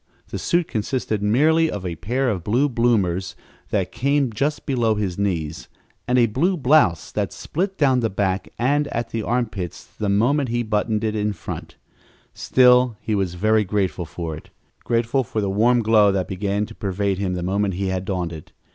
The suit consisted merely of a pair of blue bloomers that came just below his knees, and a blue blouse that split down the back and at the armpits the moment he buttoned it in front; still he was very grateful for it grateful for the warm glow that began to pervade him the moment he had donned it.